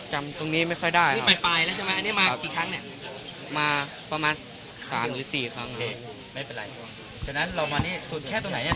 จริงอันนี้ที่เดียวเรามาที่สนแค่ตัวไหนดูจากภาพดูดูไว้